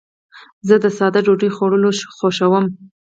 زه د ساده ډوډۍ خوړل خوښوم.